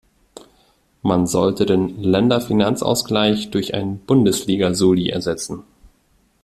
Man sollte den Länderfinanzausgleich durch einen Bundesliga-Soli ersetzen.